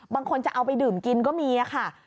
บางคนจะเอาไปดื่มกินก็มีค่ะ